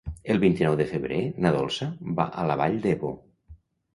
El vint-i-nou de febrer na Dolça va a la Vall d'Ebo.